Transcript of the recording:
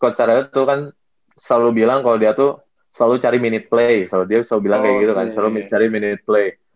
karena sultan itu kan selalu bilang kalo dia tuh selalu cari minute play selalu dia selalu bilang kayak gitu kan selalu cari minute play